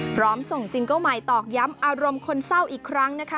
พร้อมส่งซิงเกิ้ลใหม่ตอกย้ำอารมณ์คนเศร้าอีกครั้งนะคะ